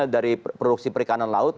dari produksi perikanan laut